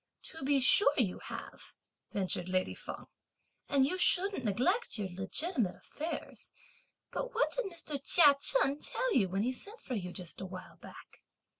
"To be sure you have," ventured lady Feng, "and you shouldn't neglect your legitimate affairs; but what did Mr. Chia Chen tell you when he sent for you just a while back?"